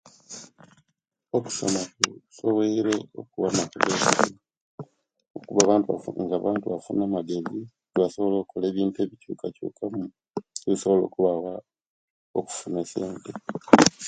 Okusoma kusobwere okuwa amaka gaisu okubba abantu nga abantu bafuna amagezi ga bakola ebintu ebichukachukaku ebisobola okubawa okufuna esente